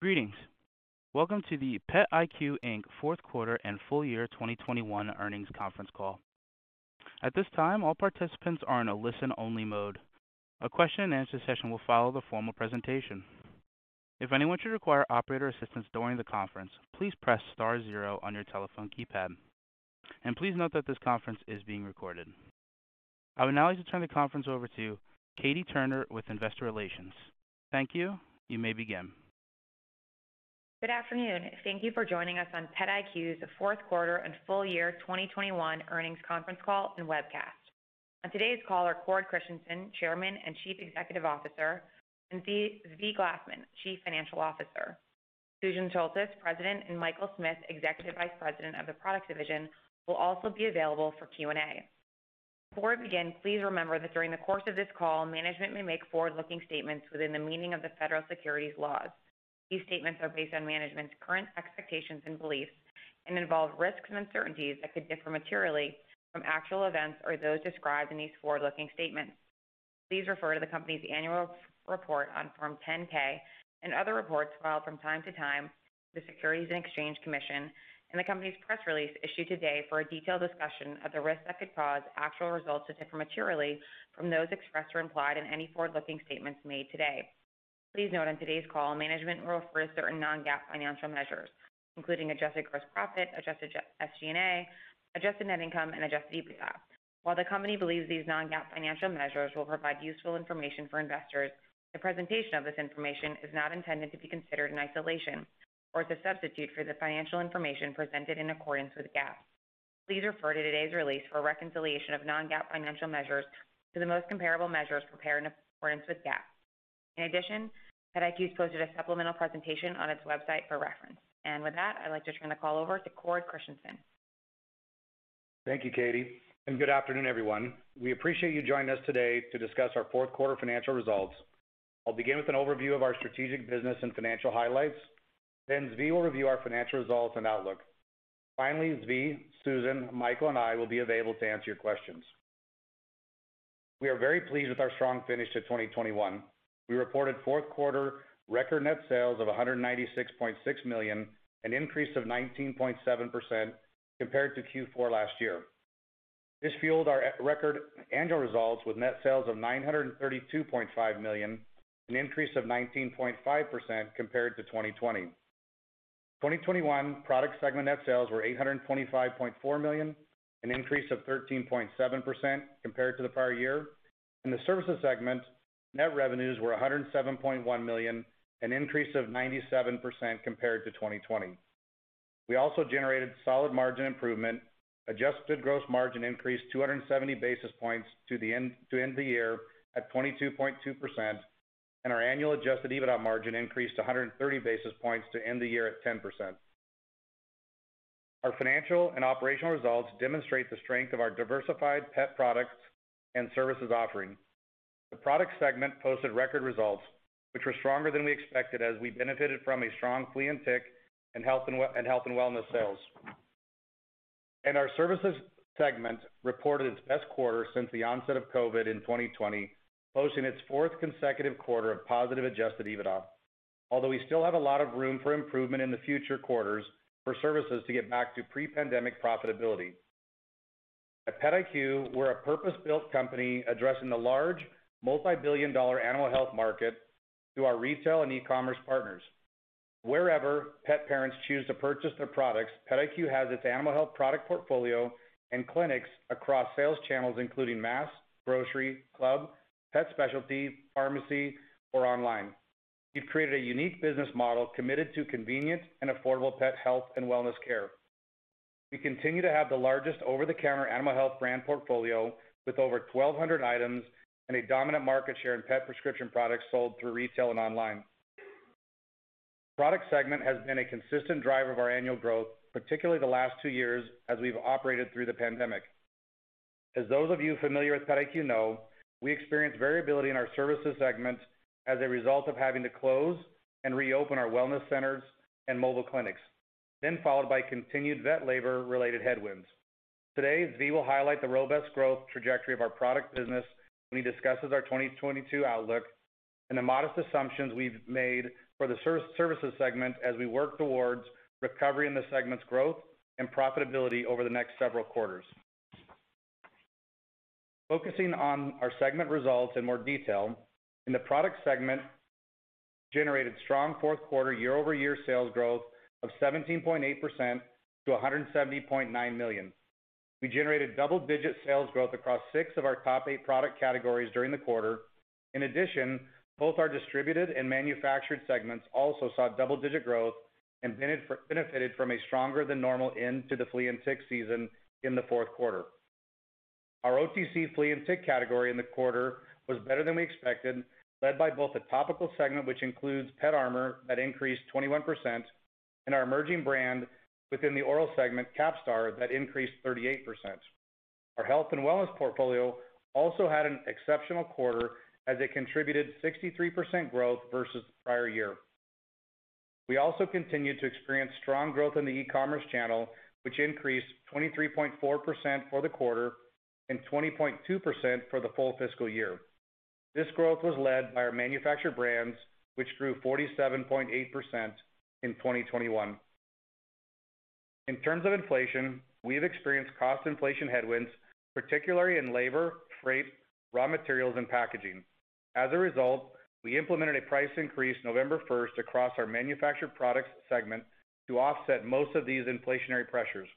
Greetings. Welcome to the PetIQ, Inc. fourth quarter and full year 2021 earnings conference call. At this time, all participants are in a listen only mode. A question-and-answer session will follow the formal presentation. If anyone should require operator assistance during the conference, please press star zero on your telephone keypad. Please note that this conference is being recorded. I would now like to turn the conference over to Katie Turner with Investor Relations. Thank you. You may begin. Good afternoon. Thank you for joining us on PetIQ's fourth quarter and full year 2021 earnings conference call and webcast. On today's call are Cord Christensen, Chairman and Chief Executive Officer, and Zvi Glasman, Chief Financial Officer. Susan Sholtis, President, and Michael Smith, Executive Vice President of the Product Division, will also be available for Q&A. Before we begin, please remember that during the course of this call, management may make forward-looking statements within the meaning of the federal securities laws. These statements are based on management's current expectations and beliefs and involve risks and uncertainties that could differ materially from actual events or those described in these forward-looking statements. Please refer to the company's annual report on Form 10-K and other reports filed from time to time with the Securities and Exchange Commission and the company's press release issued today for a detailed discussion of the risks that could cause actual results to differ materially from those expressed or implied in any forward-looking statements made today. Please note on today's call, management will refer to certain non-GAAP financial measures, including adjusted gross profit, adjusted SG&A, adjusted net income and adjusted EBITDA. While the company believes these non-GAAP financial measures will provide useful information for investors, the presentation of this information is not intended to be considered in isolation or as a substitute for the financial information presented in accordance with GAAP. Please refer to today's release for a reconciliation of non-GAAP financial measures to the most comparable measures prepared in accordance with GAAP. In addition, PetIQ's posted a supplemental presentation on its website for reference. With that, I'd like to turn the call over to Cord Christensen. Thank you, Katie, and good afternoon, everyone. We appreciate you joining us today to discuss our fourth quarter financial results. I'll begin with an overview of our strategic business and financial highlights. Then Zvi will review our financial results and outlook. Finally, Zvi, Susan, Michael, and I will be available to answer your questions. We are very pleased with our strong finish to 2021. We reported fourth quarter record net sales of $196.6 million, an increase of 19.7% compared to Q4 last year. This fueled our record annual results with net sales of $932.5 million, an increase of 19.5% compared to 2020. 2021 product segment net sales were $825.4 million, an increase of 13.7% compared to the prior year. In the Services segment, net revenues were $107.1 million, an increase of 97% compared to 2020. We also generated solid margin improvement. Adjusted gross margin increased 270 basis points to end the year at 22.2%, and our annual adjusted EBITDA margin increased 130 basis points to end the year at 10%. Our financial and operational results demonstrate the strength of our diversified pet products and services offerings. The Product segment posted record results which were stronger than we expected as we benefited from strong flea and tick and health and wellness sales. Our Services segment reported its best quarter since the onset of COVID in 2020, posting its fourth consecutive quarter of positive adjusted EBITDA. Although we still have a lot of room for improvement in the future quarters for services to get back to pre-pandemic profitability. At PetIQ, we're a purpose-built company addressing the large multi-billion-dollar animal health market through our retail and e-commerce partners. Wherever pet parents choose to purchase their products, PetIQ has its animal health product portfolio and clinics across sales channels, including mass, grocery, club, pet specialty, pharmacy, or online. We've created a unique business model committed to convenient and affordable pet health and wellness care. We continue to have the largest over-the-counter animal health brand portfolio with over 1,200 items and a dominant market share in pet prescription products sold through retail and online. Product segment has been a consistent driver of our annual growth, particularly the last two years as we've operated through the pandemic. As those of you familiar with PetIQ know, we experience variability in our Services segment as a result of having to close and reopen our wellness centers and mobile clinics, then followed by continued vet labor-related headwinds. Today, Zvi will highlight the robust growth trajectory of our Product business when he discusses our 2022 outlook and the modest assumptions we've made for the Services segment as we work towards recovery in the segment's growth and profitability over the next several quarters. Focusing on our segment results in more detail. In the Product segment, we generated strong fourth quarter year-over-year sales growth of 17.8% to $170.9 million. We generated double-digit sales growth across six of our top eight product categories during the quarter. In addition, both our distributed and manufactured segments also saw double-digit growth and benefited from a stronger than normal end to the flea and tick season in the fourth quarter. Our OTC flea and tick category in the quarter was better than we expected, led by both a topical segment, which includes PetArmor, that increased 21%, and our emerging brand within the oral segment, Capstar, that increased 38%. Our health and wellness portfolio also had an exceptional quarter as it contributed 63% growth versus the prior year. We also continued to experience strong growth in the e-commerce channel, which increased 23.4% for the quarter, 20.2% for the full fiscal year. This growth was led by our manufactured brands, which grew 47.8% in 2021. In terms of inflation, we have experienced cost inflation headwinds, particularly in labor, freight, raw materials, and packaging. As a result, we implemented a price increase November 1st across our manufactured products segment to offset most of these inflationary pressures.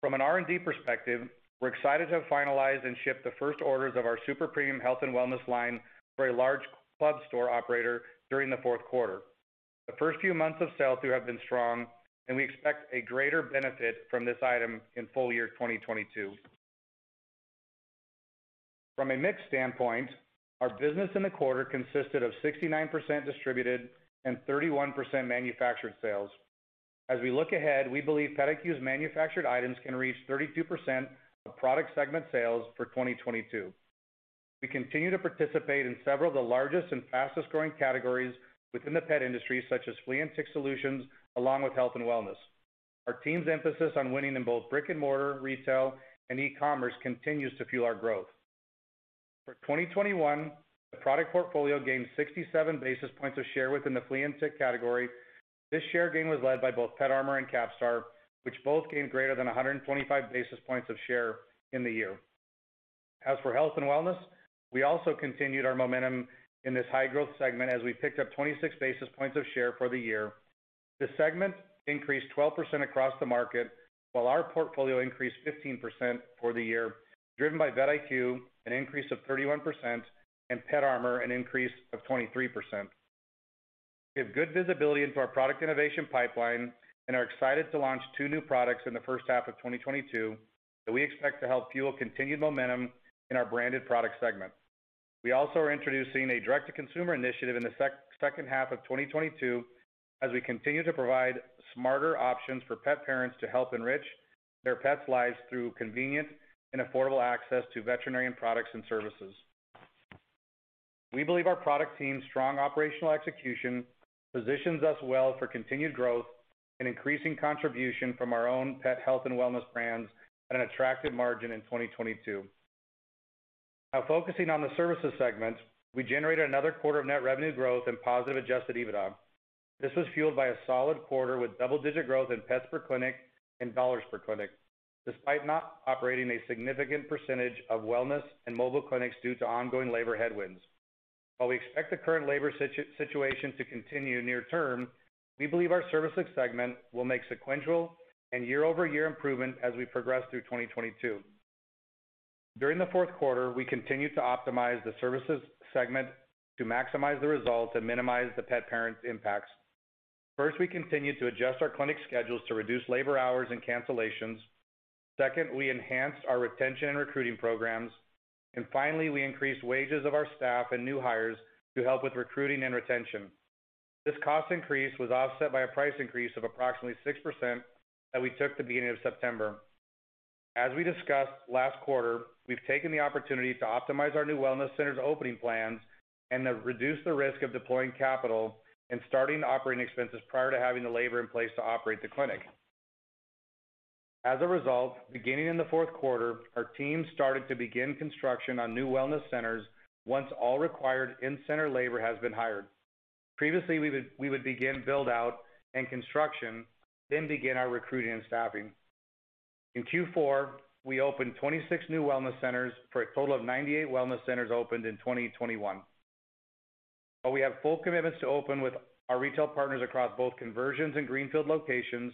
From an R&D perspective, we're excited to have finalized and shipped the first orders of our super premium health and wellness line for a large club store operator during the fourth quarter. The first few months of sales which have been strong, and we expect a greater benefit from this item in full year 2022. From a mix standpoint, our business in the quarter consisted of 69% distributed and 31% manufactured sales. As we look ahead, we believe PetIQ's manufactured items can reach 32% of product segment sales for 2022. We continue to participate in several of the largest and fastest-growing categories within the pet industry, such as flea and tick solutions, along with health and wellness. Our team's emphasis on winning in both brick-and-mortar retail and e-commerce continues to fuel our growth. For 2021, the product portfolio gained 67 basis points of share within the flea and tick category. This share gain was led by both PetArmor and Capstar, which both gained greater than 125 basis points of share in the year. As for health and wellness, we also continued our momentum in this high-growth segment as we picked up 26 basis points of share for the year. The segment increased 12% across the market, while our portfolio increased 15% for the year, driven by PetIQ, an increase of 31%, and PetArmor, an increase of 23%. We have good visibility into our product innovation pipeline and are excited to launch two new products in the first half of 2022 that we expect to help fuel continued momentum in our branded product segment. We also are introducing a direct-to-consumer initiative in the second half of 2022 as we continue to provide smarter options for pet parents to help enrich their pets' lives through convenient and affordable access to veterinarian products and services. We believe our product team's strong operational execution positions us well for continued growth and increasing contribution from our own pet health and wellness brands at an attractive margin in 2022. Now focusing on the services segment, we generated another quarter of net revenue growth and positive adjusted EBITDA. This was fueled by a solid quarter with double-digit growth in pets per clinic and dollars per clinic, despite not operating a significant percentage of wellness and mobile clinics due to ongoing labor headwinds. While we expect the current labor situation to continue near term, we believe our services segment will make sequential and year-over-year improvement as we progress through 2022. During the fourth quarter, we continued to optimize the services segment to maximize the results and minimize the pet parents' impacts. First, we continued to adjust our clinic schedules to reduce labor hours and cancellations. Second, we enhanced our retention and recruiting programs. Finally, we increased wages of our staff and new hires to help with recruiting and retention. This cost increase was offset by a price increase of approximately 6% that we took at the beginning of September. As we discussed last quarter, we've taken the opportunity to optimize our new wellness centers opening plans and to reduce the risk of deploying capital and starting operating expenses prior to having the labor in place to operate the clinic. As a result, beginning in the fourth quarter, our team started to begin construction on new wellness centers once all required in-center labor has been hired. Previously, we would begin build-out and construction, then begin our recruiting and staffing. In Q4, we opened 26 new wellness centers for a total of 98 wellness centers opened in 2021. While we have full commitments to open with our retail partners across both conversions and greenfield locations,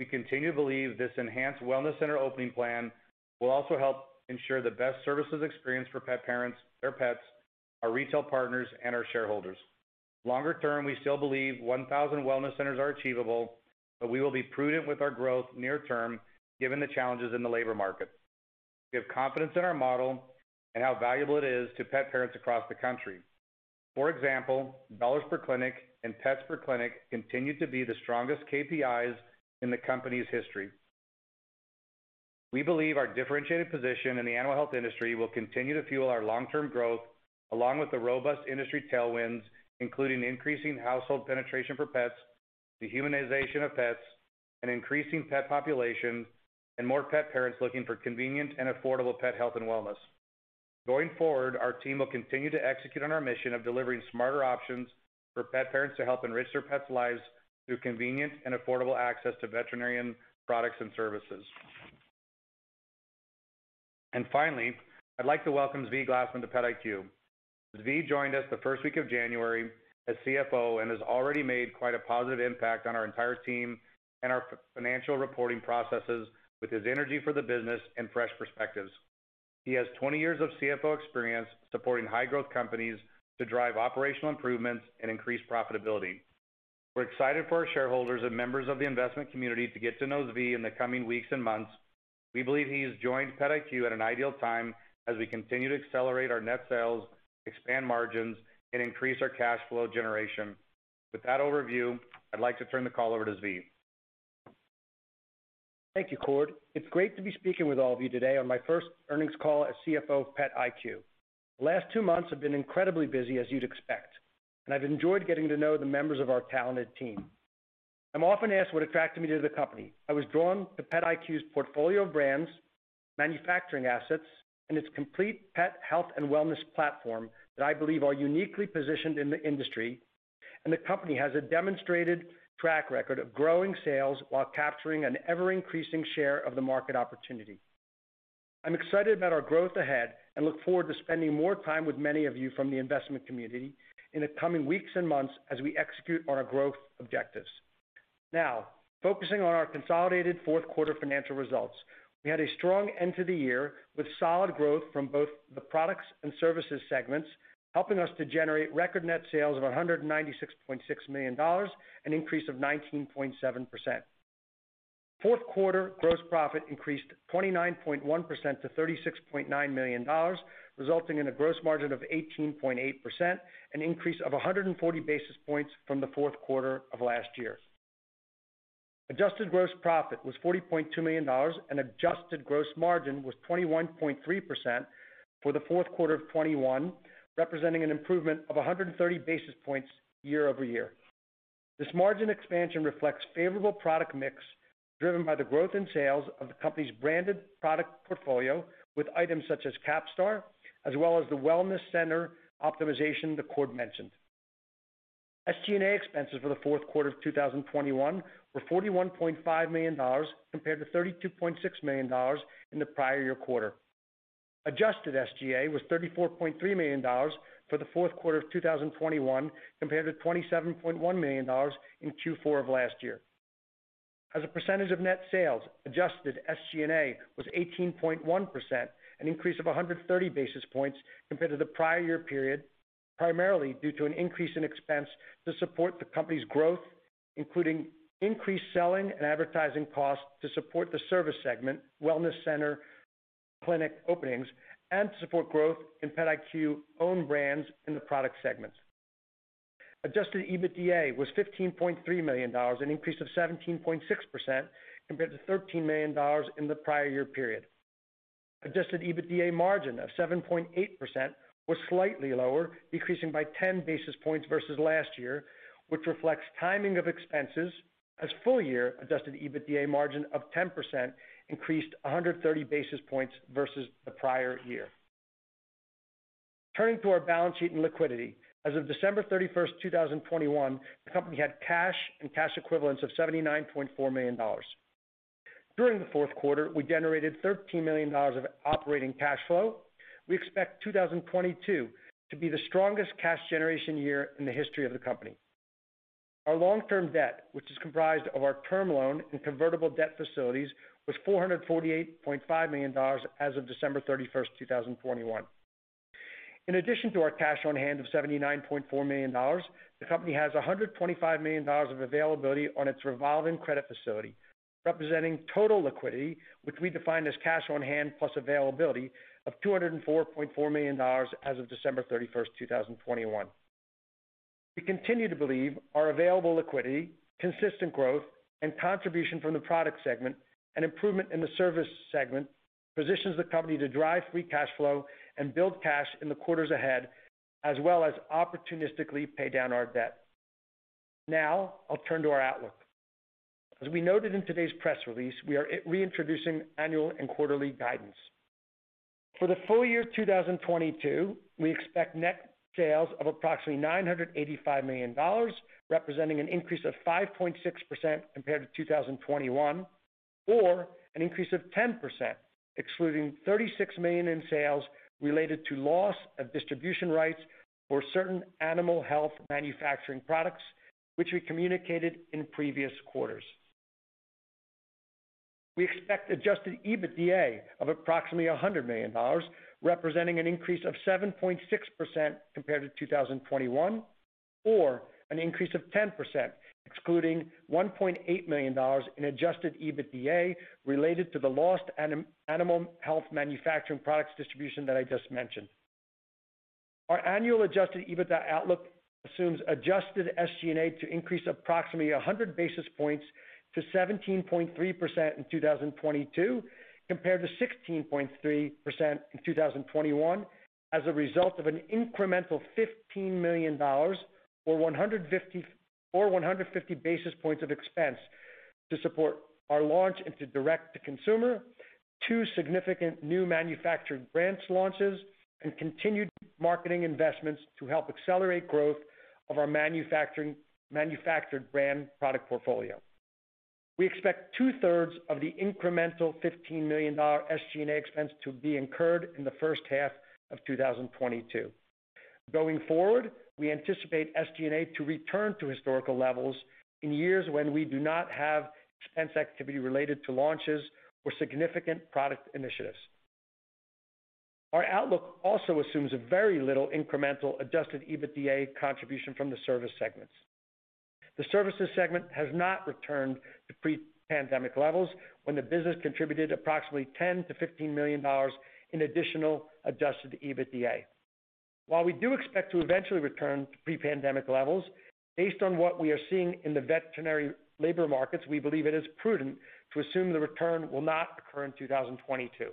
we continue to believe this enhanced wellness center opening plan will also help ensure the best services experience for pet parents, their pets, our retail partners, and our shareholders. Longer term, we still believe 1,000 wellness centers are achievable, but we will be prudent with our growth near term given the challenges in the labor market. We have confidence in our model and how valuable it is to pet parents across the country. For example, dollars per clinic and pets per clinic continue to be the strongest KPIs in the company's history. We believe our differentiated position in the animal health industry will continue to fuel our long-term growth, along with the robust industry tailwinds, including increasing household penetration for pets, the humanization of pets, an increasing pet population, and more pet parents looking for convenient and affordable pet health and wellness. Going forward, our team will continue to execute on our mission of delivering smarter options for pet parents to help enrich their pets' lives through convenient and affordable access to veterinarian products and services. Finally, I'd like to welcome Zvi Glasman to PetIQ. Zvi joined us the first week of January as CFO and has already made quite a positive impact on our entire team and our financial reporting processes with his energy for the business and fresh perspectives. He has 20 years of CFO experience supporting high-growth companies to drive operational improvements and increase profitability. We're excited for our shareholders and members of the investment community to get to know Zvi in the coming weeks and months. We believe he has joined PetIQ at an ideal time as we continue to accelerate our net sales, expand margins, and increase our cash flow generation. With that overview, I'd like to turn the call over to Zvi. Thank you, Cord. It's great to be speaking with all of you today on my first earnings call as CFO of PetIQ. The last two months have been incredibly busy, as you'd expect, and I've enjoyed getting to know the members of our talented team. I'm often asked what attracted me to the company. I was drawn to PetIQ's portfolio of brands, manufacturing assets, and its complete pet health and wellness platform that I believe are uniquely positioned in the industry. The company has a demonstrated track record of growing sales while capturing an ever-increasing share of the market opportunity. I'm excited about our growth ahead and look forward to spending more time with many of you from the investment community in the coming weeks and months as we execute on our growth objectives. Now, focusing on our consolidated fourth quarter financial results. We had a strong end to the year with solid growth from both the products and services segments, helping us to generate record net sales of $196.6 million, an increase of 19.7%. Fourth quarter gross profit increased 29.1% to $36.9 million, resulting in a gross margin of 18.8%, an increase of 140 basis points from the fourth quarter of last year. Adjusted gross profit was $40.2 million, and adjusted gross margin was 21.3% for the fourth quarter of 2021, representing an improvement of 130 basis points year over year. This margin expansion reflects favorable product mix driven by the growth in sales of the company's branded product portfolio with items such as Capstar, as well as the wellness center optimization that Cord mentioned. SG&A expenses for the fourth quarter of 2021 were $41.5 million compared to $32.6 million in the prior year quarter. Adjusted SG&A was $34.3 million for the fourth quarter of 2021 compared to $27.1 million in Q4 of last year. As a percentage of net sales, adjusted SG&A was 18.1%, an increase of 130 basis points compared to the prior year period, primarily due to an increase in expense to support the company's growth, including increased selling and advertising costs to support the service segment, wellness center, clinic openings, and to support growth in PetIQ owned brands in the product segments. Adjusted EBITDA was $15.3 million, an increase of 17.6% compared to $13 million in the prior year period. Adjusted EBITDA margin of 7.8% was slightly lower, decreasing by 10 basis points versus last year, which reflects timing of expenses as full-year adjusted EBITDA margin of 10% increased 130 basis points versus the prior year. Turning to our balance sheet and liquidity. As of December 31st, 2021, the company had cash and cash equivalents of $79.4 million. During the fourth quarter, we generated $13 million of operating cash flow. We expect 2022 to be the strongest cash generation year in the history of the company. Our long-term debt, which is comprised of our term loan and convertible debt facilities, was $448.5 million as of December 31st, 2021. In addition to our cash on hand of $79.4 million, the company has $125 million of availability on its revolving credit facility, representing total liquidity, which we define as cash on hand plus availability of $204.4 million as of December 31st, 2021. We continue to believe our available liquidity, consistent growth, and contribution from the product segment and improvement in the service segment positions the company to drive free cash flow and build cash in the quarters ahead, as well as opportunistically pay down our debt. Now I'll turn to our outlook. As we noted in today's press release, we are reintroducing annual and quarterly guidance. For the full year 2022, we expect net sales of approximately $985 million, representing an increase of 5.6% compared to 2021, or an increase of 10%, excluding $36 million in sales related to loss of distribution rights for certain animal health manufacturing products, which we communicated in previous quarters. We expect adjusted EBITDA of approximately $100 million, representing an increase of 7.6% compared to 2021, or an increase of 10%, excluding $1.8 million in adjusted EBITDA related to the lost animal health manufacturing products distribution that I just mentioned. Our annual adjusted EBITDA outlook assumes adjusted SG&A to increase approximately 100 basis points to 17.3% in 2022 compared to 16.3% in 2021 as a result of an incremental $15 million or 150 basis points of expense to support our launch into direct-to-consumer, two significant new manufactured brands launches, and continued marketing investments to help accelerate growth of our manufactured brand product portfolio. We expect 2/3 of the incremental $15 million SG&A expense to be incurred in the first half of 2022. Going forward, we anticipate SG&A to return to historical levels in years when we do not have expense activity related to launches or significant product initiatives. Our outlook also assumes very little incremental adjusted EBITDA contribution from the service segments. The services segment has not returned to pre-pandemic levels when the business contributed approximately $10 million-$15 million in additional adjusted EBITDA. While we do expect to eventually return to pre-pandemic levels, based on what we are seeing in the veterinary labor markets, we believe it is prudent to assume the return will not occur in 2022.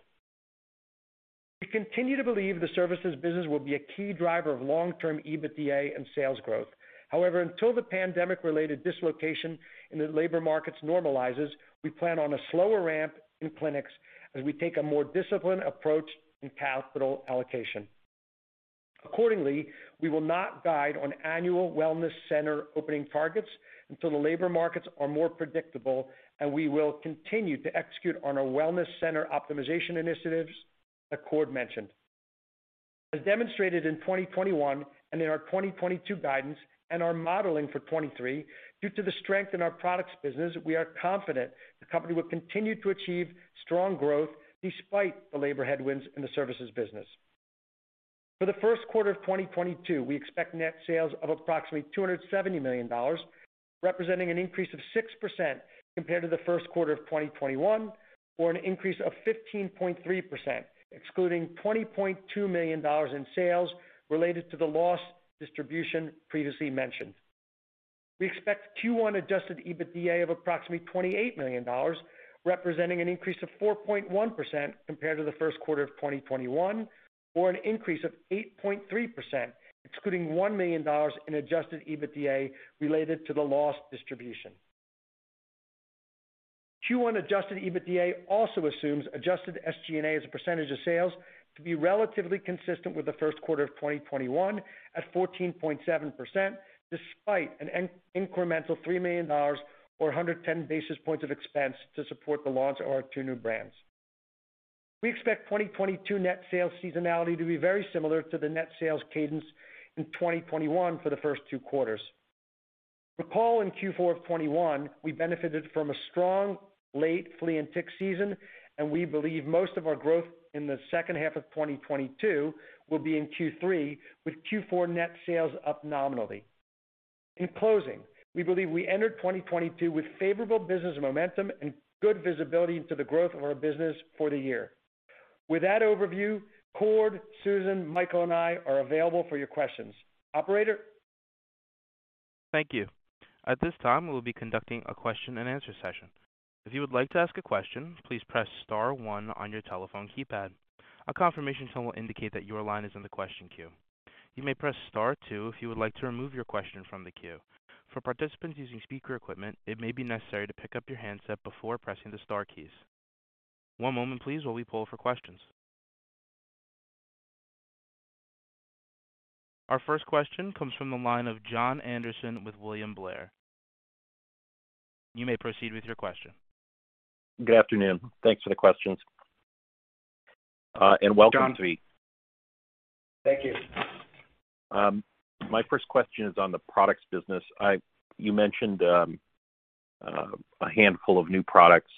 We continue to believe the services business will be a key driver of long-term EBITDA and sales growth. However, until the pandemic-related dislocation in the labor markets normalizes, we plan on a slower ramp in clinics as we take a more disciplined approach in capital allocation. Accordingly, we will not guide on annual wellness center opening targets until the labor markets are more predictable, and we will continue to execute on our wellness center optimization initiatives that Cord mentioned. As demonstrated in 2021 and in our 2022 guidance and our modeling for 2023, due to the strength in our products business, we are confident the company will continue to achieve strong growth despite the labor headwinds in the services business. For the first quarter of 2022, we expect net sales of approximately $270 million, representing an increase of 6% compared to the first quarter of 2021, or an increase of 15.3%, excluding $20.2 million in sales related to the loss distribution previously mentioned. We expect Q1 adjusted EBITDA of approximately $28 million, representing an increase of 4.1% compared to the first quarter of 2021, or an increase of 8.3%, excluding $1 million in adjusted EBITDA related to the loss distribution. Q1 adjusted EBITDA also assumes adjusted SG&A as a percentage of sales to be relatively consistent with the first quarter of 2021 at 14.7%, despite an incremental $3 million or 110 basis points of expense to support the launch of our two new brands. We expect 2022 net sales seasonality to be very similar to the net sales cadence in 2021 for the first two quarters. Recall in Q4 of 2021, we benefited from a strong late flea and tick season, and we believe most of our growth in the second half of 2022 will be in Q3, with Q4 net sales up nominally. In closing, we believe we entered 2022 with favorable business momentum and good visibility into the growth of our business for the year. With that overview, Cord, Susan, Michael, and I are available for your questions. Operator? Thank you. At this time, we will be conducting a question-and-answer session. If you would like to ask a question, please press star one on your telephone keypad. A confirmation tone will indicate that your line is in the question queue. You may press star two if you would like to remove your question from the queue. For participants using speaker equipment, it may be necessary to pick up your handset before pressing the star keys. One moment please while we poll for questions. Our first question comes from the line of Jon Andersen with William Blair. You may proceed with your question. Good afternoon. Thanks for the questions. Welcome, Zvi. Thank you. My first question is on the products business. You mentioned a handful of new products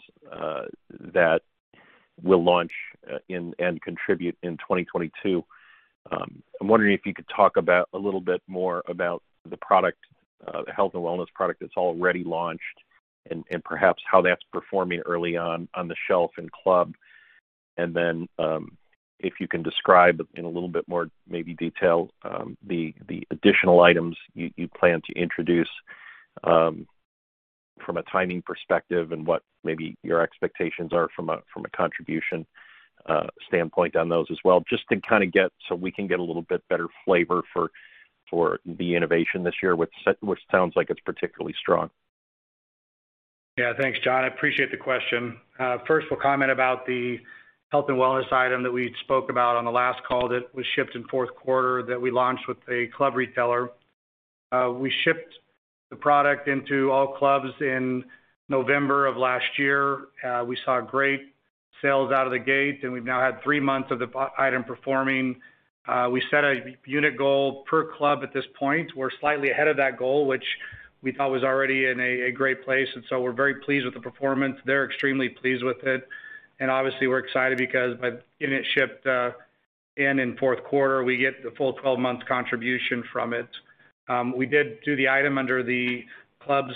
that will launch and contribute in 2022. I'm wondering if you could talk about a little bit more about the product, the health and wellness product that's already launched and perhaps how that's performing early on the shelf and club. If you can describe in a little bit more maybe detail, the additional items you plan to introduce, from a timing perspective and what maybe your expectations are from a contribution standpoint on those as well, just to kinda get, so we can get a little bit better flavor for the innovation this year, which sounds like it's particularly strong. Yeah. Thanks, Jon. I appreciate the question. First, we'll comment about the health and wellness item that we spoke about on the last call that was shipped in fourth quarter that we launched with a club retailer. We shipped the product into all clubs in November of last year. We saw great sales out of the gate, and we've now had three months of the product performing. We set a unit goal per club at this point. We're slightly ahead of that goal, which we thought was already in a great place. We're very pleased with the performance. They're extremely pleased with it. Obviously, we're excited because by getting it shipped in fourth quarter, we get the full 12 months contribution from it. We did do the item under the club's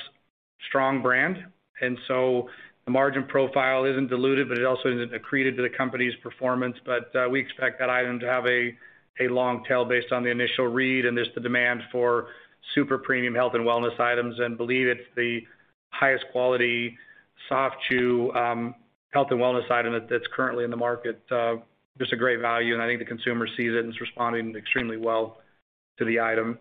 strong brand, and so the margin profile isn't diluted, but it also isn't accreted to the company's performance. We expect that item to have a long tail based on the initial read, and there's the demand for super premium health and wellness items and believe it's the highest quality soft chew health and wellness item that's currently in the market. Just a great value, and I think the consumer sees it and is responding extremely well to the item.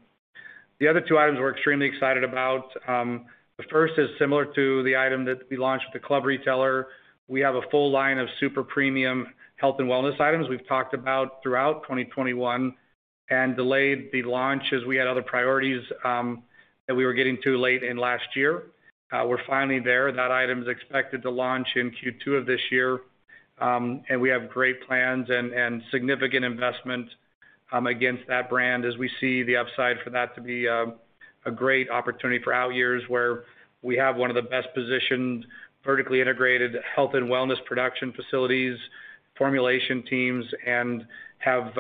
The other two items we're extremely excited about. The first is similar to the item that we launched with the club retailer. We have a full line of super premium health and wellness items we've talked about throughout 2021 and delayed the launch as we had other priorities that we were getting to late in last year. We're finally there. That item is expected to launch in Q2 of this year. We have great plans and significant investment against that brand as we see the upside for that to be a great opportunity for out years where we have one of the best positioned vertically integrated health and wellness production facilities, formulation teams, and have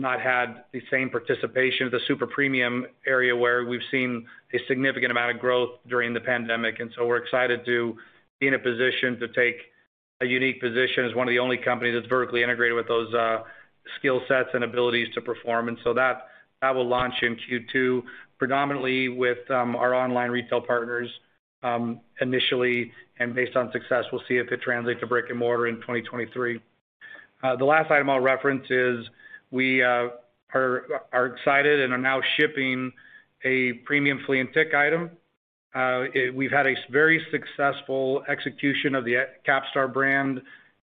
not had the same participation at the super premium area where we've seen a significant amount of growth during the pandemic. We're excited to be in a position to take a unique position as one of the only companies that's vertically integrated with those. Skill sets and abilities to perform. That will launch in Q2 predominantly with our online retail partners initially, and based on success, we'll see if it translates to brick-and-mortar in 2023. The last item I'll reference is we are excited and are now shipping a premium flea and tick item. We've had a very successful execution of the Capstar brand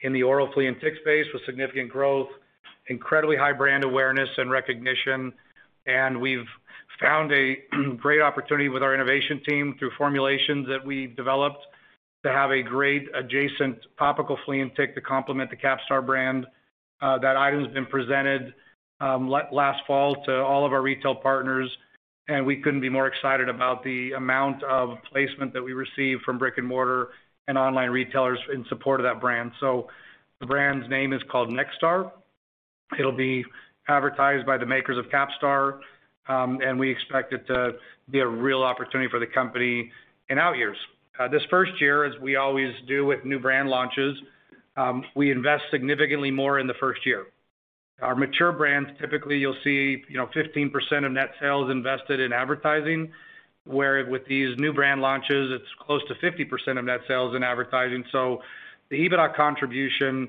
in the oral flea and tick space with significant growth, incredibly high brand awareness and recognition. We've found a great opportunity with our innovation team through formulations that we developed to have a great adjacent topical flea and tick to complement the Capstar brand. That item's been presented last fall to all of our retail partners, and we couldn't be more excited about the amount of placement that we received from brick-and-mortar and online retailers in support of that brand. The brand's name is called NextStar. It'll be advertised by the makers of Capstar, and we expect it to be a real opportunity for the company in out years. This first year, as we always do with new brand launches, we invest significantly more in the first year. Our mature brands, typically, you'll see, you know, 15% of net sales invested in advertising, where with these new brand launches, it's close to 50% of net sales in advertising. The EBITDA contribution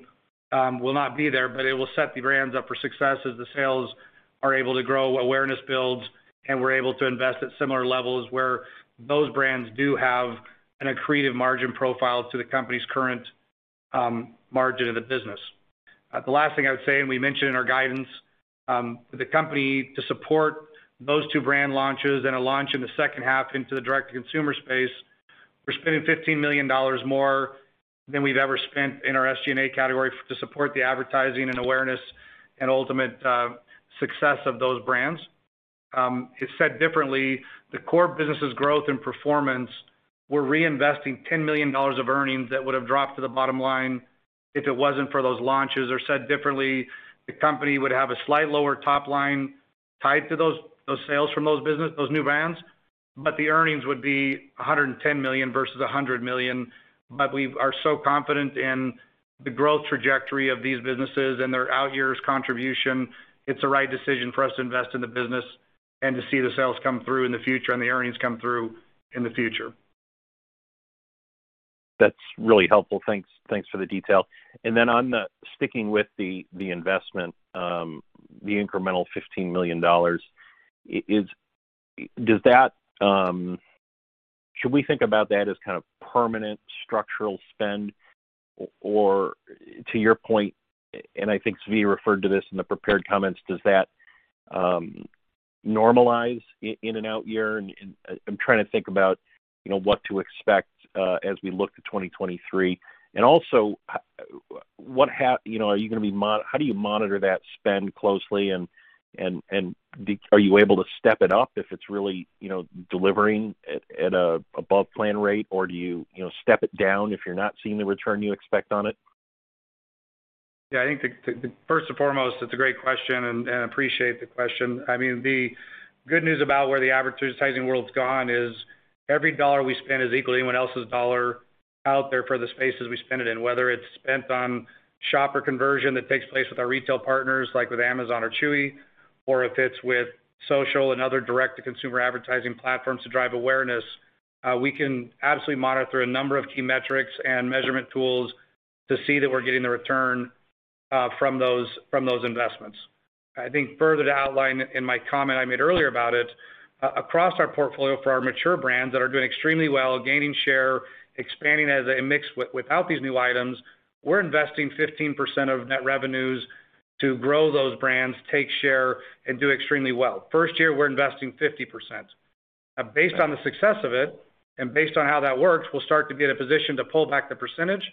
will not be there, but it will set the brands up for success as the sales are able to grow, awareness builds, and we're able to invest at similar levels where those brands do have an accretive margin profile to the company's current margin of the business. The last thing I would say, and we mentioned in our guidance, for the company to support those two brand launches and a launch in the second half into the direct-to-consumer space, we're spending $15 million more than we've ever spent in our SG&A category to support the advertising and awareness and ultimate success of those brands. Said differently, the core business' growth and performance, we're reinvesting $10 million of earnings that would have dropped to the bottom line if it wasn't for those launches. Said differently, the company would have a slightly lower top line tied to those sales from those businesses, those new brands, but the earnings would be $110 million versus $100 million. We are so confident in the growth trajectory of these businesses and their out years contribution. It's the right decision for us to invest in the business and to see the sales come through in the future and the earnings come through in the future. That's really helpful. Thanks for the detail. On sticking with the investment, the incremental $15 million, does that? Should we think about that as kind of permanent structural spend? To your point, I think Zvi referred to this in the prepared comments, does that normalize in an out year? I'm trying to think about what to expect as we look to 2023. How do you monitor that spend closely and are you able to step it up if it's really delivering at or above plan rate? Do you step it down if you're not seeing the return you expect on it? Yeah, I think the first and foremost, it's a great question, and appreciate the question. I mean, the good news about where the advertising world's gone is every dollar we spend is equal to anyone else's dollar out there for the spaces we spend it in. Whether it's spent on shopper conversion that takes place with our retail partners, like with Amazon or Chewy, or if it's with social and other direct-to-consumer advertising platforms to drive awareness, we can absolutely monitor a number of key metrics and measurement tools to see that we're getting the return from those investments. I think further to outline in my comment I made earlier about it, across our portfolio for our mature brands that are doing extremely well, gaining share, expanding as a mix without these new items, we're investing 15% of net revenues to grow those brands, take share, and do extremely well. First year, we're investing 50%. Now based on the success of it and based on how that works, we'll start to be in a position to pull back the percentage,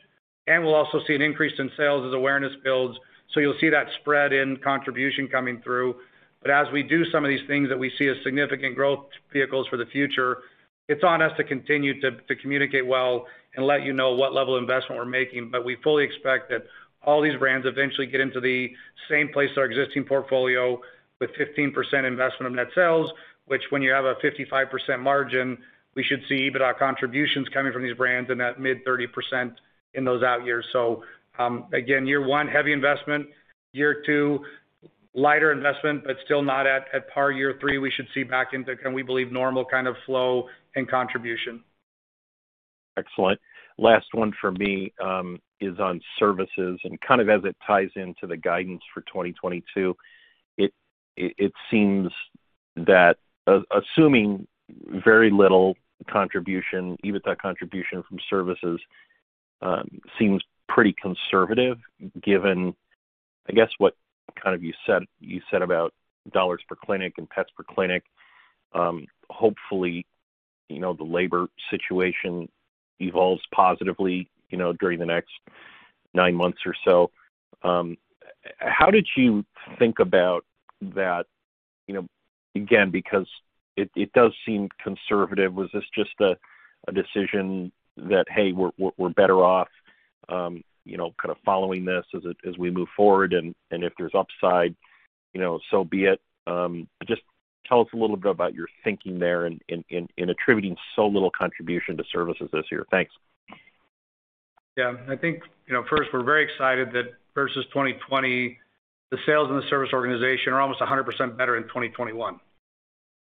and we'll also see an increase in sales as awareness builds. So you'll see that spread in contribution coming through. As we do some of these things that we see as significant growth vehicles for the future, it's on us to continue to communicate well and let you know what level of investment we're making. We fully expect that all these brands eventually get into the same place as our existing portfolio with 15% investment of net sales, which when you have a 55% margin, we should see EBITDA contributions coming from these brands in that mid-30% in those out years. Again, year one, heavy investment. Year two, lighter investment, but still not at par. Year three, we should see back into, and we believe, normal kind of flow and contribution. Excellent. Last one for me, is on services and kind of as it ties into the guidance for 2022. It seems that assuming very little contribution, EBITDA contribution from services, seems pretty conservative given, I guess, what kind of you said about dollars per clinic and pets per clinic. Hopefully, you know, the labor situation evolves positively, you know, during the next nine months or so. How did you think about that, you know, again, because it does seem conservative. Was this just a decision that, hey, we're better off, you know, kind of following this as we move forward, and if there's upside, you know, so be it. Just tell us a little bit about your thinking there in attributing so little contribution to services this year. Thanks. Yeah, I think, you know, first, we're very excited that versus 2020, the sales and the service organization are almost 100% better in 2021.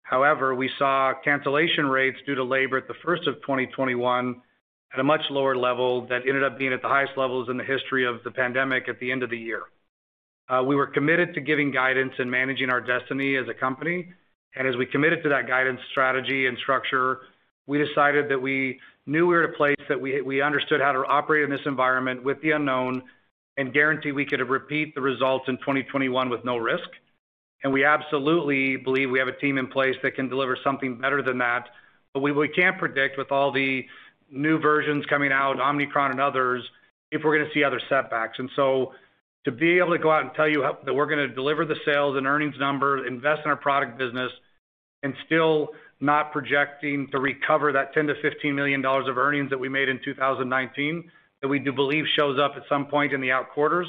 However, we saw cancellation rates due to labor at the first of 2021 at a much lower level that ended up being at the highest levels in the history of the pandemic at the end of the year. We were committed to giving guidance and managing our destiny as a company. As we committed to that guidance, strategy, and structure, we decided that we knew we were at a place that we understood how to operate in this environment with the unknown and guarantee we could repeat the results in 2021 with no risk. We absolutely believe we have a team in place that can deliver something better than that. We can't predict with all the new versions coming out, Omicron and others, if we're gonna see other setbacks. To be able to go out and tell you that we're gonna deliver the sales and earnings numbers, invest in our product business, and still not projecting to recover that $10 million-$15 million of earnings that we made in 2019, that we do believe shows up at some point in the out quarters,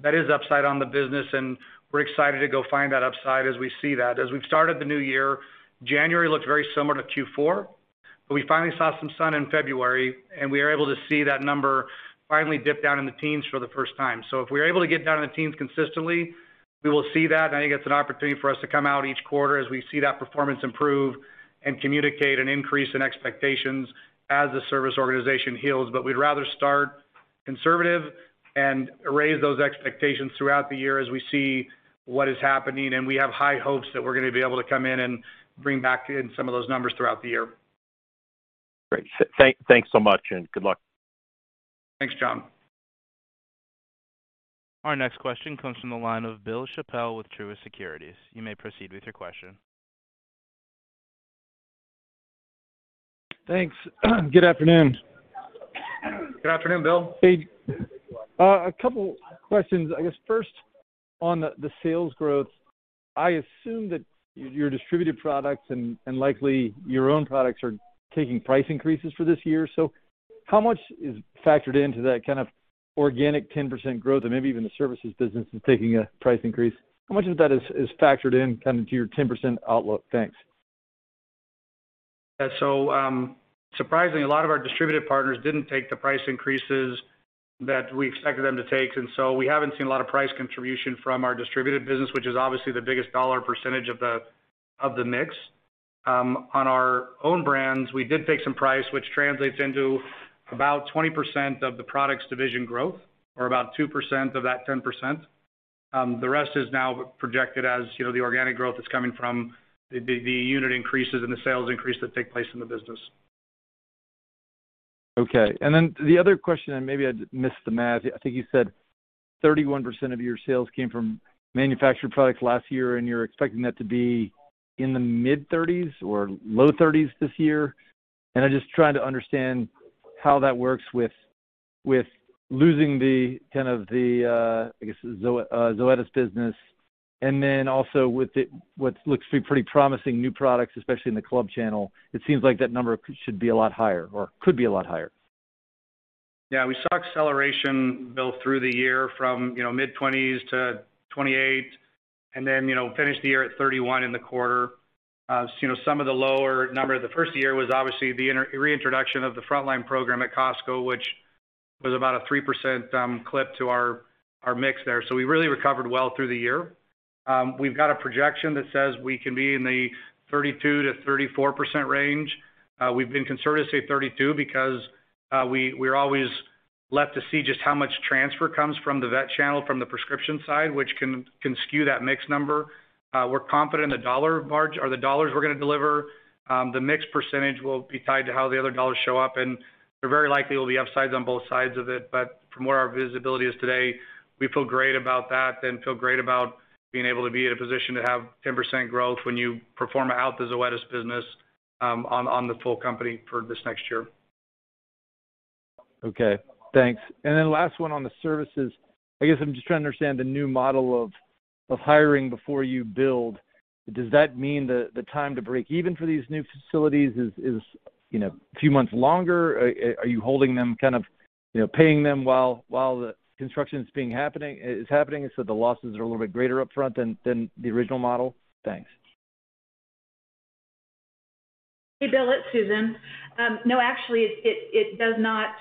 that is upside on the business, and we're excited to go find that upside as we see that. As we've started the new year, January looked very similar to Q4, but we finally saw some sun in February, and we are able to see that number finally dip down in the teens for the first time. If we're able to get down in the teens consistently, we will see that, and I think it's an opportunity for us to come out each quarter as we see that performance improve and communicate an increase in expectations as the service organization heals. We'd rather start conservative and raise those expectations throughout the year as we see what is happening. We have high hopes that we're gonna be able to come in and bring back in some of those numbers throughout the year. Great. Thanks so much, and good luck. Thanks, Jon. Our next question comes from the line of Bill Chappell with Truist Securities. You may proceed with your question. Thanks. Good afternoon. Good afternoon, Bill. Hey. A couple questions. I guess first, on the sales growth, I assume that your distributed products and likely your own products are taking price increases for this year, so how much is factored into that kind of organic 10% growth and maybe even the services business is taking a price increase? How much of that is factored in kind of to your 10% outlook? Thanks. Yeah. Surprisingly, a lot of our distributed partners didn't take the price increases that we expected them to take, and so we haven't seen a lot of price contribution from our distributed business, which is obviously the biggest dollar percentage of the mix. On our own brands, we did take some price, which translates into about 20% of the Product Division growth or about 2% of that 10%. The rest is now projected as, you know, the organic growth that's coming from the unit increases and the sales increase that take place in the business. Okay. The other question, maybe I missed the math. I think you said 31% of your sales came from manufactured products last year, and you're expecting that to be in the mid-30s or low 30s this year. I'm just trying to understand how that works with losing the kind of the, I guess, Zoetis business, with what looks to be pretty promising new products, especially in the club channel. It seems like that number should be a lot higher or could be a lot higher. Yeah. We saw acceleration, Bill, through the year from, you know, mid-20s%-28% and then, you know, finished the year at 31% in the quarter. So you know, some of the lower number the first year was obviously reintroduction of the Frontline program at Costco, which was about a 3% clip to our mix there. So we really recovered well through the year. We've got a projection that says we can be in the 32%-34% range. We've been conservative, say 32, because we're always left to see just how much transfer comes from the vet channel from the prescription side, which can skew that mix number. We're confident the dollar margin or the dollars we're gonna deliver, the mix percentage will be tied to how the other dollars show up, and there very likely will be upsides on both sides of it. From where our visibility is today, we feel great about that and feel great about being able to be in a position to have 10% growth when you back out the Zoetis business on the full company for this next year. Okay, thanks. Last one on the services. I guess I'm just trying to understand the new model of hiring before you build. Does that mean the time to break even for these new facilities is, you know, a few months longer? Are you holding them kind of, you know, paying them while the construction is happening, and so the losses are a little bit greater up front than the original model? Thanks. Hey, Bill. It's Susan. No, actually it does not.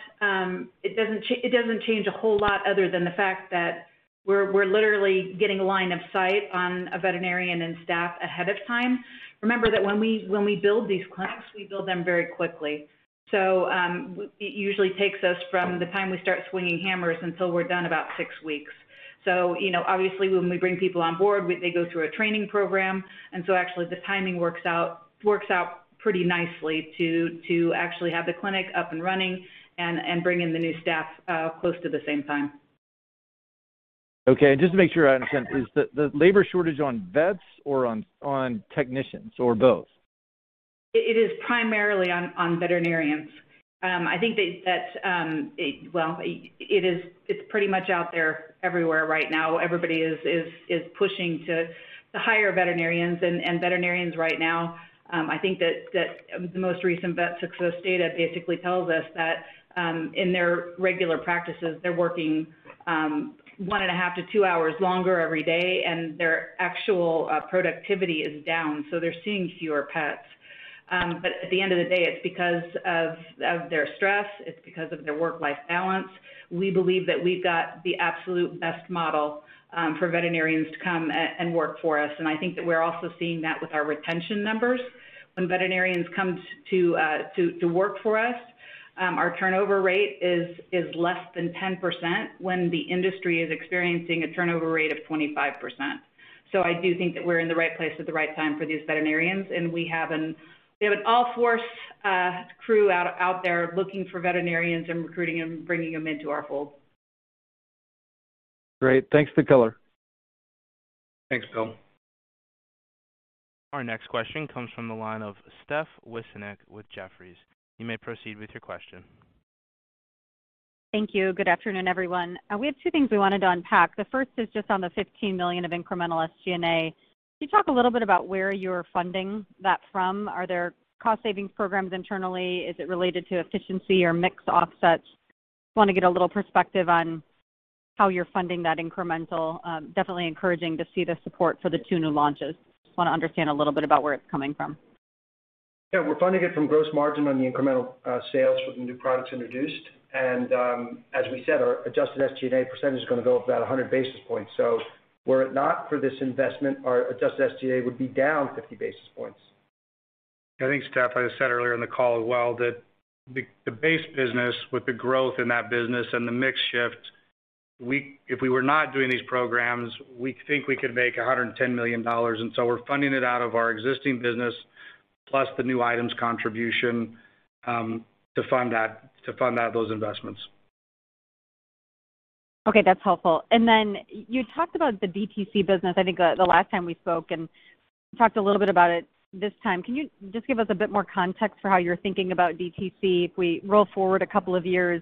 It doesn't change a whole lot other than the fact that we're literally getting a line of sight on a veterinarian and staff ahead of time. Remember that when we build these clinics, we build them very quickly. It usually takes us from the time we start swinging hammers until we're done about six weeks. You know, obviously, when we bring people on board, they go through a training program. Actually the timing works out pretty nicely to actually have the clinic up and running and bring in the new staff close to the same time. Okay. Just to make sure I understand. Is the labor shortage on vets or on technicians or both? It is primarily on veterinarians. I think that it is pretty much out there everywhere right now. Well, everybody is pushing to hire veterinarians. Veterinarians right now, I think that the most recent VetSuccess data basically tells us that in their regular practices, they're working 1.5-2 hours longer every day, and their actual productivity is down, so they're seeing fewer pets. At the end of the day, it's because of their stress, it's because of their work-life balance. We believe that we've got the absolute best model for veterinarians to come and work for us. I think that we're also seeing that with our retention numbers. When veterinarians come to work for us, our turnover rate is less than 10% when the industry is experiencing a turnover rate of 25%. I do think that we're in the right place at the right time for these veterinarians, and we have a sales force crew out there looking for veterinarians and recruiting them, bringing them into our fold. Great. Thanks for the color. Thanks, Bill. Our next question comes from the line of Steph Wissink with Jefferies. You may proceed with your question. Thank you. Good afternoon, everyone. We have two things we wanted to unpack. The first is just on the $15 million of incremental SG&A. Can you talk a little bit about where you're funding that from? Are there cost savings programs internally? Is it related to efficiency or mix offsets? Just wanna get a little perspective on how you're funding that incremental. Definitely encouraging to see the support for the two new launches. Just wanna understand a little bit about where it's coming from. Yeah. We're funding it from gross margin on the incremental sales for the new products introduced. As we said, our adjusted SG&A percentage is gonna go up about 100 basis points. Were it not for this investment, our adjusted SG&A would be down 50 basis points. I think, Steph, I said earlier in the call as well that the base business with the growth in that business and the mix shift, if we were not doing these programs, we think we could make $110 million. We're funding it out of our existing business plus the new items contribution to fund that, to fund out those investments. Okay. That's helpful. You talked about the DTC business, I think the last time we spoke, and talked a little bit about it this time. Can you just give us a bit more context for how you're thinking about DTC if we roll forward a couple of years?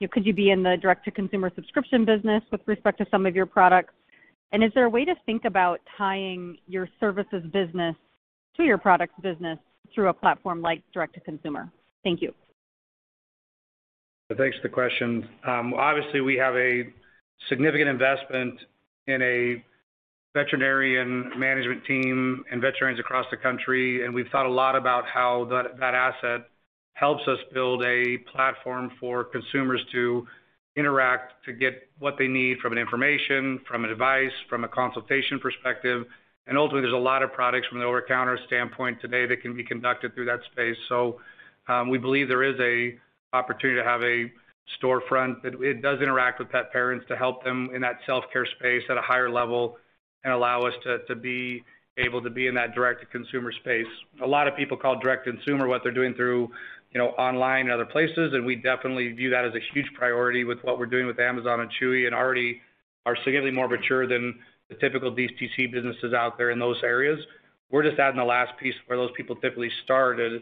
You know, could you be in the direct to consumer subscription business with respect to some of your products? Is there a way to think about tying your services business to your products business through a platform like direct to consumer? Thank you. Thanks for the question. Obviously, we have a significant investment in a veterinary management team and veterinarians across the country, and we've thought a lot about how that asset helps us build a platform for consumers to interact, to get what they need from information, from advice, from a consultation perspective. Ultimately, there's a lot of products from an over-the-counter standpoint today that can be conducted through that space. We believe there is an opportunity to have a storefront that does interact with pet parents to help them in that self-care space at a higher level and allow us to be able to be in that direct to consumer space. A lot of people call direct to consumer what they're doing through, you know, online and other places, and we definitely view that as a huge priority with what we're doing with Amazon and Chewy and already are significantly more mature than the typical DTC businesses out there in those areas. We're just adding the last piece where those people typically start and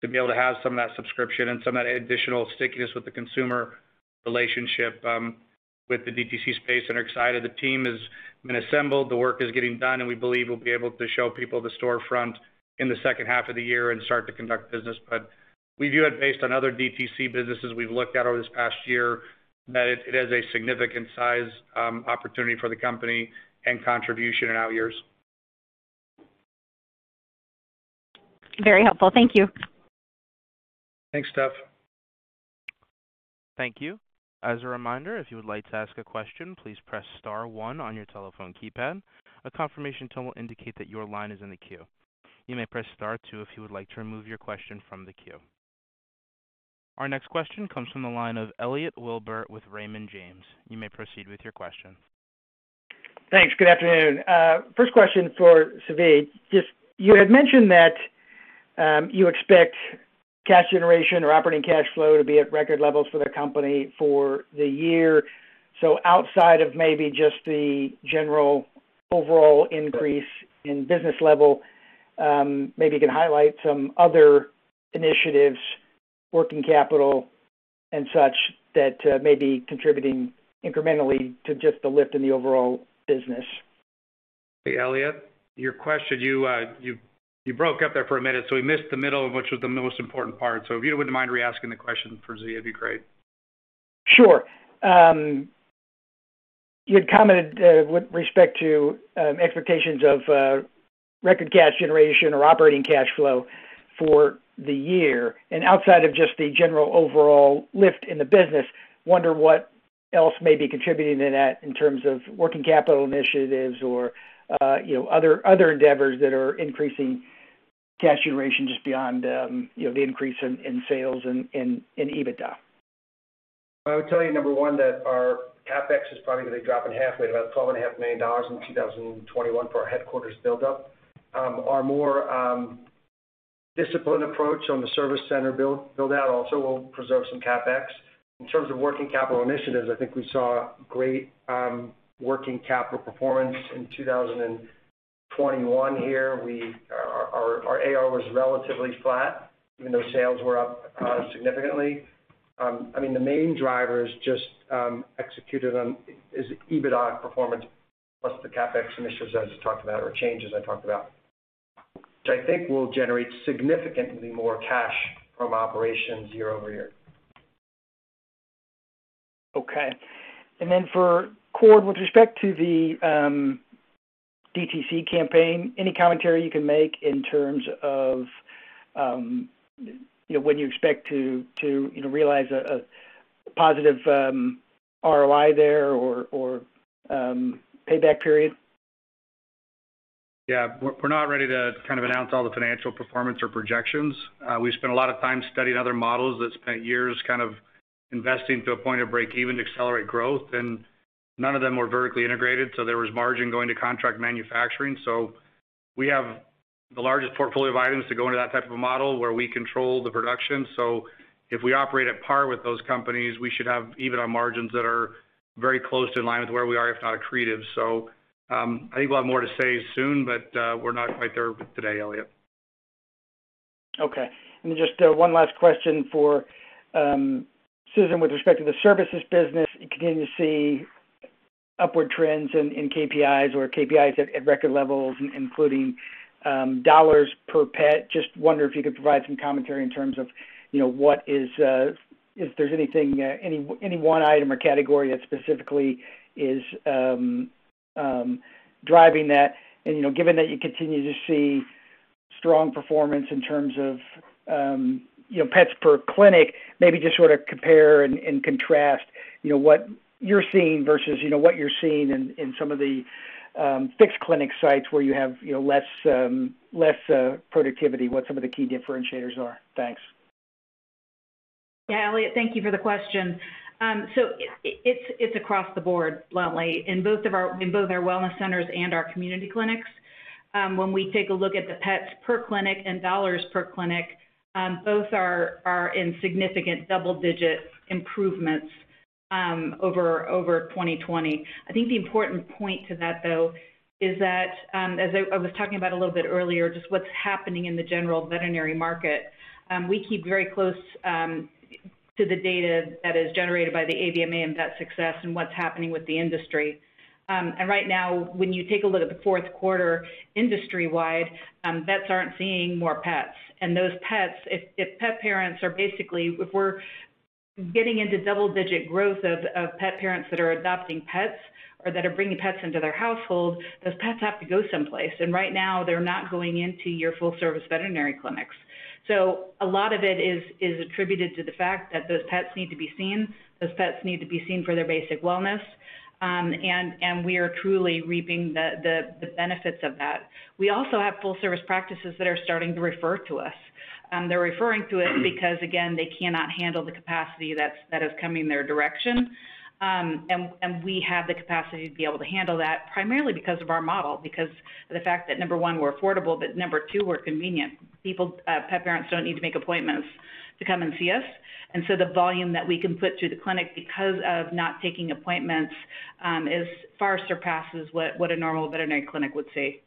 to be able to have some of that subscription and some of that additional stickiness with the consumer relationship with the DTC space and are excited. The team has been assembled, the work is getting done, and we believe we'll be able to show people the storefront in the second half of the year and start to conduct business. We view it based on other DTC businesses we've looked at over this past year, that it is a significant size opportunity for the company and contribution in out years. Very helpful. Thank you. Thanks, Steph. Thank you. As a reminder, if you would like to ask a question, please press star one on your telephone keypad. A confirmation tone will indicate that your line is in the queue. You may press star two if you would like to remove your question from the queue. Our next question comes from the line of Elliot Wilbur with Raymond James. You may proceed with your question. Thanks. Good afternoon. First question for Zvi. Just you had mentioned that you expect cash generation or operating cash flow to be at record levels for the company for the year. Outside of maybe just the general overall increase in business level, maybe you can highlight some other initiatives, working capital and such that may be contributing incrementally to just the lift in the overall business. Hey, Elliot. Your question, you broke up there for a minute, so we missed the middle of which was the most important part. If you wouldn't mind reasking the question for Zvi, it'd be great. Sure. You had commented with respect to expectations of record cash generation or operating cash flow for the year, and outside of just the general overall lift in the business, wonder what else may be contributing to that in terms of working capital initiatives or, you know, other endeavors that are increasing cash generation just beyond, you know, the increase in sales and in EBITDA. I would tell you, number one, that our CapEx is probably gonna drop in half. We had about $12.5 million in 2021 for our headquarters build-up. Our more disciplined approach on the service center build-out also will preserve some CapEx. In terms of working capital initiatives, I think we saw great working capital performance in 2021 here. Our AR was relatively flat even though sales were up significantly. I mean, the main driver is just executed on is EBITDA performance plus the CapEx initiatives I just talked about or changes I talked about. Which I think will generate significantly more cash from operations year-over-year. Okay. For Cord, with respect to the DTC campaign, any commentary you can make in terms of you know, when you expect to you know, realize a positive ROI there or payback period? Yeah. We're not ready to kind of announce all the financial performance or projections. We've spent a lot of time studying other models that spent years kind of investing to a point of break-even to accelerate growth, and none of them were vertically integrated, so there was margin going to contract manufacturing. We have the largest portfolio of items to go into that type of a model where we control the production. I think we'll have more to say soon, but we're not quite there today, Elliot. Okay. Just one last question for Susan with respect to the services business. You continue to see upward trends in KPIs at record levels, including dollars per pet. Just wonder if you could provide some commentary in terms of, you know, if there's anything, any one item or category that specifically is driving that. You know, given that you continue to see strong performance in terms of, you know, pets per clinic, maybe just sort of compare and contrast, you know, what you're seeing versus what you're seeing in some of the fixed clinic sites where you have less productivity, what some of the key differentiators are. Thanks. Yeah, Elliot, thank you for the question. So it's across the board bluntly in both our wellness centers and our community clinics. When we take a look at the pets per clinic and dollars per clinic, both are in significant double-digit improvements over 2020. I think the important point to that, though, is that as I was talking about a little bit earlier, just what's happening in the general veterinary market. We keep very close to the data that is generated by the AVMA and VetSuccess and what's happening with the industry. Right now, when you take a look at the fourth quarter industry-wide, vets aren't seeing more pets. Those pets, if pet parents are basically. If we're getting into double-digit growth of pet parents that are adopting pets or that are bringing pets into their household, those pets have to go someplace, and right now they're not going into your full service veterinary clinics. A lot of it is attributed to the fact that those pets need to be seen for their basic wellness, and we are truly reaping the benefits of that. We also have full service practices that are starting to refer to us. They're referring to us because, again, they cannot handle the capacity that's coming their direction. We have the capacity to be able to handle that primarily because of our model, because of the fact that, number one, we're affordable, but number two, we're convenient. People, pet parents don't need to make appointments to come and see us. The volume that we can put through the clinic because of not taking appointments is far surpasses what a normal veterinary clinic would see.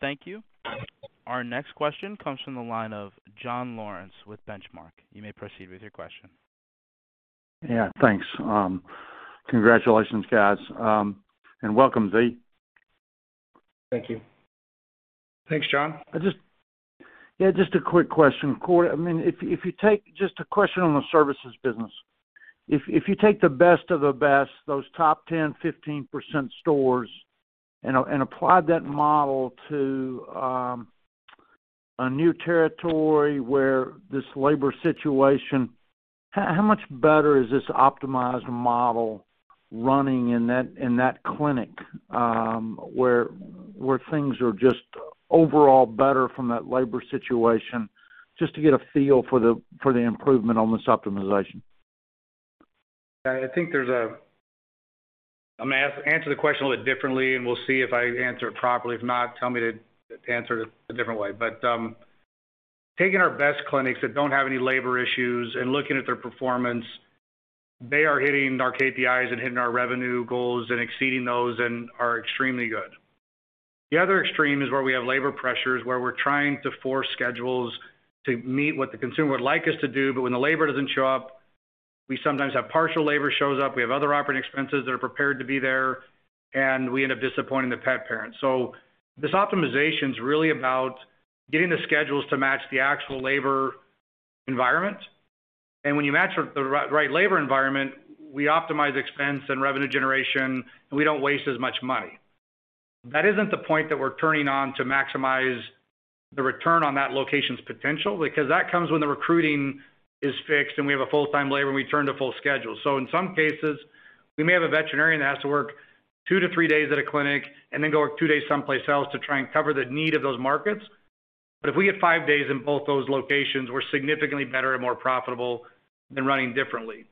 Thank you. Our next question comes from the line of John Lawrence with Benchmark. You may proceed with your question. Yeah, thanks. Congratulations, guys. Welcome, Zvi. Thank you. Thanks, John. Just a quick question. Cord, I mean, just a question on the services business. If you take the best of the best, those top 10-15% stores and apply that model to a new territory where this labor situation, how much better is this optimized model running in that clinic, where things are just overall better from that labor situation? Just to get a feel for the improvement on this optimization. I think I'm gonna answer the question a little differently, and we'll see if I answer it properly. If not, tell me to answer it a different way. Taking our best clinics that don't have any labor issues and looking at their performance, they are hitting our KPIs and hitting our revenue goals and exceeding those and are extremely good. The other extreme is where we have labor pressures, where we're trying to force schedules to meet what the consumer would like us to do. But when the labor doesn't show up, we sometimes have partial labor shows up. We have other operating expenses that are prepared to be there, and we end up disappointing the pet parent. This optimization's really about getting the schedules to match the actual labor environment. When you match the right labor environment, we optimize expense and revenue generation, and we don't waste as much money. That isn't the point that we're turning on to maximize the return on that location's potential, because that comes when the recruiting is fixed and we have a full-time labor and we turn to full schedule. In some cases, we may have a veterinarian that has to work two to three days at a clinic and then go work two days someplace else to try and cover the need of those markets. If we get five days in both those locations, we're significantly better and more profitable than running differently.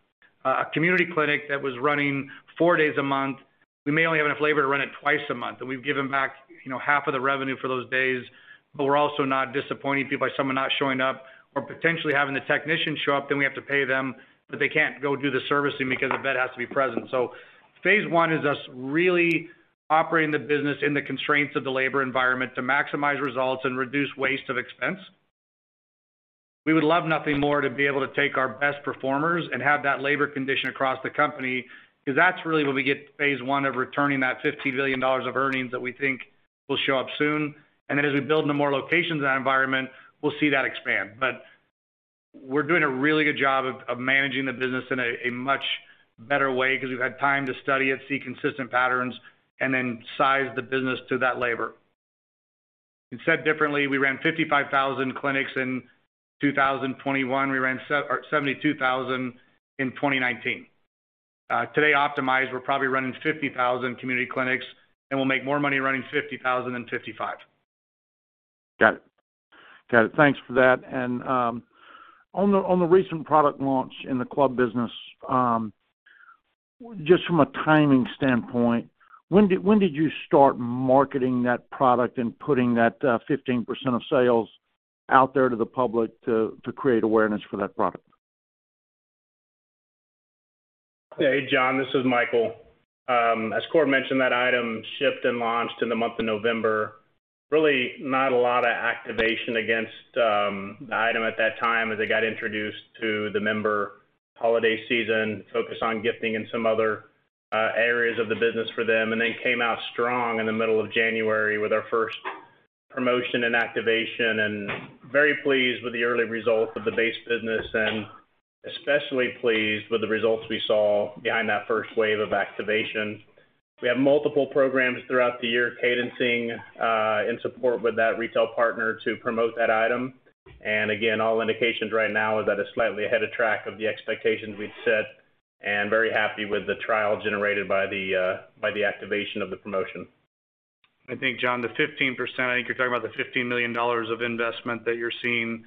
A community clinic that was running four days a month, we may only have enough labor to run it twice a month, and we've given back, you know, half of the revenue for those days. We're also not disappointing people by someone not showing up or potentially having the technician show up, then we have to pay them, but they can't go do the servicing because a vet has to be present. Phase I is us really operating the business in the constraints of the labor environment to maximize results and reduce waste of expense. We would love nothing more than to be able to take our best performers and have that labor condition across the company, because that's really where we get to phase I of returning that $15 million of earnings that we think will show up soon. Then as we build into more locations in that environment, we'll see that expand. We're doing a really good job of managing the business in a much better way because we've had time to study it, see consistent patterns, and then size the business to that labor. Said differently, we ran 55,000 clinics in 2021. We ran or 72,000 in 2019. Today optimized, we're probably running 50,000 community clinics and we'll make more money running 50,000 than 55,000. Got it. Thanks for that. On the recent product launch in the club business, just from a timing standpoint, when did you start marketing that product and putting that 15% of sales out there to the public to create awareness for that product? Hey John, this is Michael. As Cord mentioned, that item shipped and launched in the month of November. Really not a lot of activation against the item at that time as it got introduced to the member holiday season, focus on gifting and some other areas of the business for them. Then came out strong in the middle of January with our first promotion and activation and very pleased with the early results of the base business, and especially pleased with the results we saw behind that first wave of activation. We have multiple programs throughout the year cadencing in support with that retail partner to promote that item. Again, all indications right now is that it's slightly ahead of track of the expectations we've set and very happy with the trial generated by the activation of the promotion. I think, John, the 15%, I think you're talking about the $15 million of investment that you're seeing.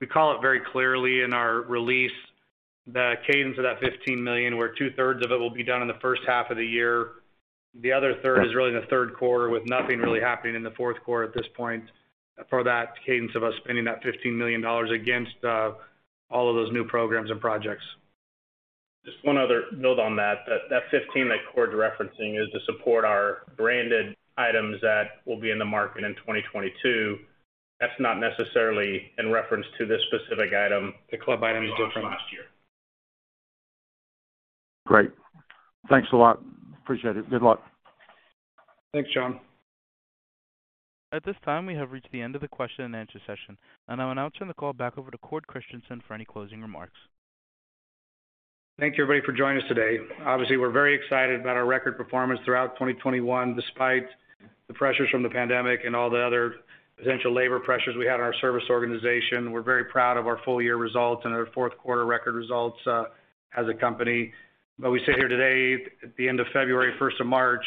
We call it very clearly in our release, the cadence of that $15 million, where two-thirds of it will be done in the first half of the year. The other third is really in the third quarter with nothing really happening in the fourth quarter at this point for that cadence of us spending that $15 million against all of those new programs and projects. Just one other build on that. That 15 that Cord's referencing is to support our branded items that will be in the market in 2022. That's not necessarily in reference to this specific item. The club item is different. Great. Thanks a lot. Appreciate it. Good luck. Thanks, John. At this time, we have reached the end of the question and answer session, and I will now turn the call back over to Cord Christensen for any closing remarks. Thank you, everybody, for joining us today. Obviously, we're very excited about our record performance throughout 2021, despite the pressures from the pandemic and all the other potential labor pressures we had in our service organization. We're very proud of our full year results and our fourth quarter record results as a company. We sit here today at the end of February, first of March,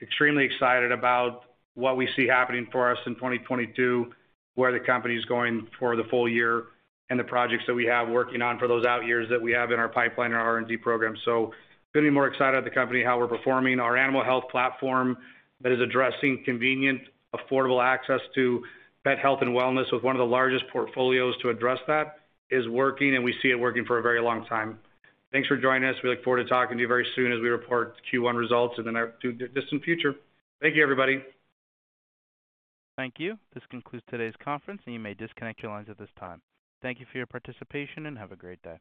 extremely excited about what we see happening for us in 2022, where the company is going for the full year, and the projects that we have working on for those out years that we have in our pipeline and R&D program. Couldn't be more excited at the company, how we're performing. Our animal health platform that is addressing convenient, affordable access to pet health and wellness with one of the largest portfolios to address that is working, and we see it working for a very long time. Thanks for joining us. We look forward to talking to you very soon as we report Q1 results in the near-distant future. Thank you, everybody. Thank you. This concludes today's conference, and you may disconnect your lines at this time. Thank you for your participation and have a great day.